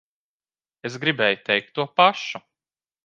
Es gribēju teikt to pašu.